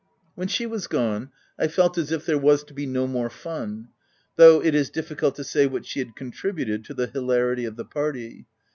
When she w r as gone, I felt as if there was to be no more fun — though it is difficult to say what she had contributed to the hilarity of the party.